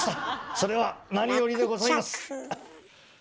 それは何よりでございます。